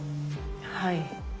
はい。